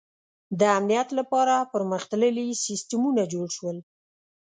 • د امنیت لپاره پرمختللي سیستمونه جوړ شول.